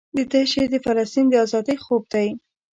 دده شعر د فلسطین د ازادۍ خوب دی.